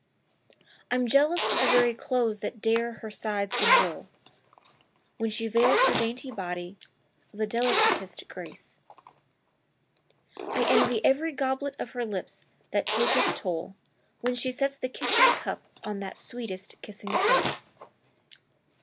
I'm jealous of the very clothes that dare her sides enroll When she veils her dainty body of the delicatest grace: I envy every goblet of her lips that taketh toll When she sets the kissing cup on that sweetest kissing place.